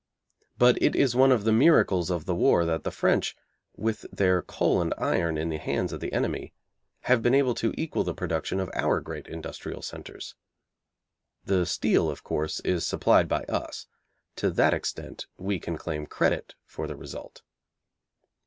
But it is one of the miracles of the war that the French, with their coal and iron in the hands of the enemy, have been able to equal the production of our great industrial centres. The steel, of course, is supplied by us. To that extent we can claim credit for the result.